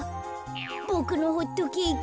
ボクのホットケーキ。